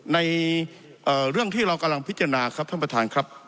ในเรื่องที่เรากำลังพิจารณาครับท่านประธานครับ